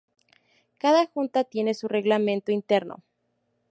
Cada Junta tiene su reglamento interno.